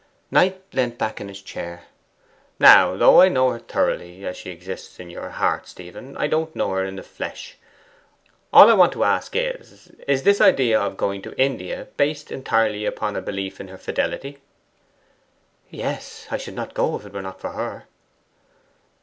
Knight leant back in his chair. 'Now, though I know her thoroughly as she exists in your heart, Stephen, I don't know her in the flesh. All I want to ask is, is this idea of going to India based entirely upon a belief in her fidelity?' 'Yes; I should not go if it were not for her.